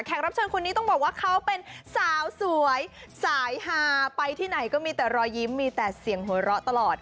รับเชิญคนนี้ต้องบอกว่าเขาเป็นสาวสวยสายฮาไปที่ไหนก็มีแต่รอยยิ้มมีแต่เสียงหัวเราะตลอด